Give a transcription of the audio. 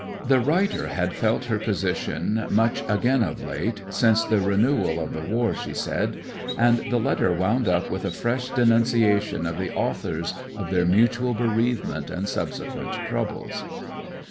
The writer had felt her position much again of late, since the renewal of the war, she said; and the letter wound up with a fresh denunciation of the authors of their mutual bereavement and subsequent troubles.